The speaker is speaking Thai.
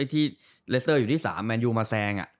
ที่เลสเตอร์อยู่ที่๓แมนยูมาแซง